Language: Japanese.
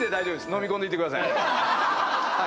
のみ込んでいってください。